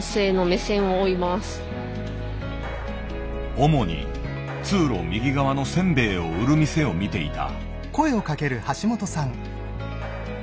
主に通路右側のせんべいを売る店を見ていた。